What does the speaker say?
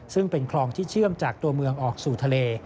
ซึ่งเป็นคลองที่เชื่อมจากตัวเมืองออกสู่ทะเล